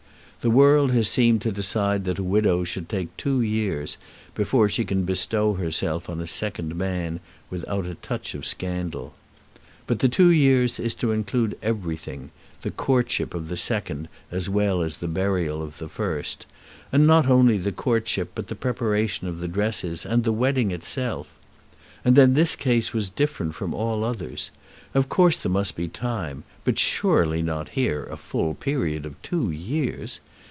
The world has seemed to decide that a widow should take two years before she can bestow herself on a second man without a touch of scandal. But the two years is to include everything, the courtship of the second as well as the burial of the first, and not only the courtship, but the preparation of the dresses and the wedding itself. And then this case was different from all others. Of course there must be time, but surely not here a full period of two years!